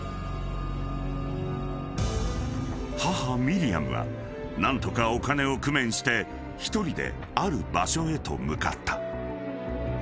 ［母ミリアムは何とかお金を工面して一人である場所へと向かった］